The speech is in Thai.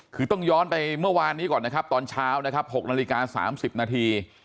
คือต้องย้อนไปเมื่อวานนี้ก่อนนะครับตอนเช้านะครับ๖นาฬิกา๓๐นาที